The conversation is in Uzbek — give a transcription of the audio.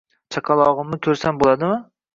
Chaqalog`imni ko`rsam bo`ladimi